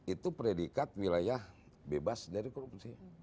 itu predikat wilayah bebas dari korupsi